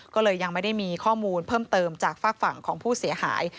ก็เลยยังไม่ได้มีข้อมูลเพิ่มเติมจากฝากฝั่งของผู้เสียหาย